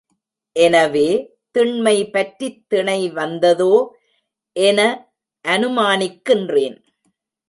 எனவே திண்மை பற்றித் திணை வந்ததோ என அனுமானிக்கின்றேன்.